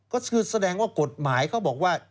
ก็คือแสดงว่ากฎหมายเขาบอกว่า